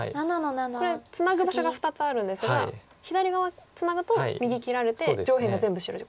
これツナぐ場所が２つあるんですが左側ツナぐと右切られて上辺が全部白地。